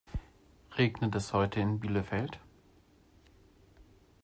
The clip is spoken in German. Regnet es heute in Bielefeld?